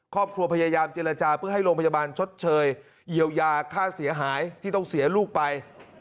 ครอบครัวพยายามเจรจาเพื่อให้โรงพยาบาลชดเชยเยียวยาค่าเสียหายที่ต้องเสียลูกไป